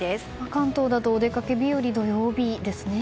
関東だとお出かけ日和は土曜日ですね。